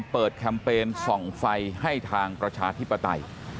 แคมเปญส่องไฟให้ทางประชาธิปไตย